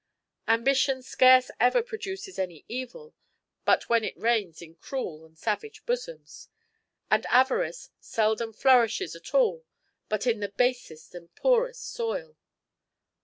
Ambition scarce ever produces any evil but when it reigns in cruel and savage bosoms; and avarice seldom flourishes at all but in the basest and poorest soil.